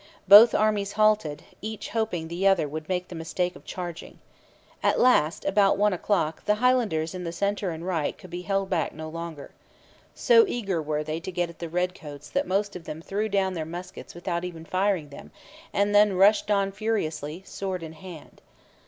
Both armies halted, each hoping the other would make the mistake of charging. At last, about one o'clock, the Highlanders in the centre and right could be held back no longer. So eager were they to get at the redcoats that most of them threw down their muskets without even firing them, and then rushed on furiously, sword in hand.